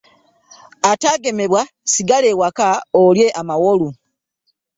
Ataagemebwa sigala ewaka olye amawolu.